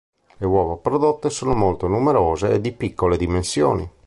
Le uova prodotte sono molto numerose e di piccole dimensioni.